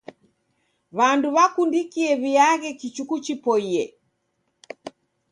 W'andu w'akundikie w'iaghe kichuku chipoiye.